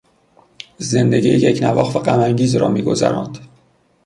زندگی یکنواخت و غمانگیزی را میگذراند.